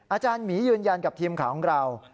อาจารย์หมียืนยันกับทีมข่าวของเรา